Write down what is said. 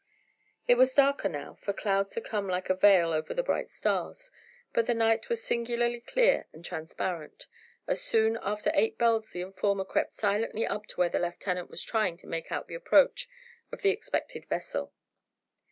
It was darker now, for clouds had come like a veil over the bright stars, but the night was singularly clear and transparent, as soon after eight bells the informer crept silently up to where the lieutenant was trying to make out the approach of the expected vessel.